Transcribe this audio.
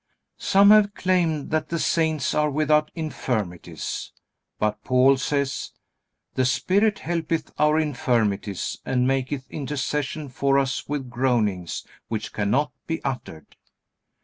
Some have claimed that the saints are without infirmities. But Paul says: "The Spirit helpeth our infirmities, and maketh intercession for us with groanings which cannot be uttered."